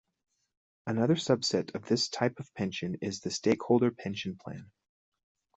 Another subset of this type of pension is the Stakeholder Pension Plan.